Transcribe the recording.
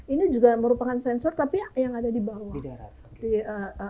ini juga merupakan sensor tapi yang ada di bawah